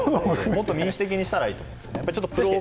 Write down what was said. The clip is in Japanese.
もっと民主的にしたらいいと思うんですね。